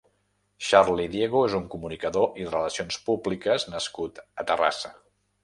Xarli Diego és un comunicador i Relacions Públiques nascut a Terrassa.